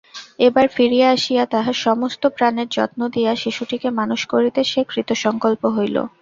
এবার ফিরিয়া আসিয়া তাহার সমস্ত প্রাণের যত্ন দিয়া শিশুটিকে মানুষ করিতে সে কৃতসংকল্প হইল।